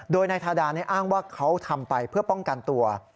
โดยนายทาดาอ้างว่าเขาทำไปเพื่อป้องกันตัว